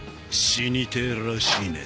死にてえらしいな。